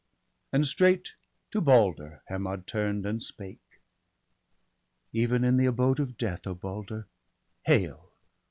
And straight to Balder Hermod turn'd, and spake :—' Even in the abode of death, O Balder, hail